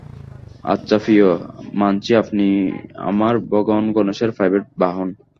আচ্ছা প্রিয়, মানছি আপনি আমার ভগবান গণেশের প্রাইভেট বাহন।